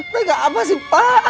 tega apa sih pak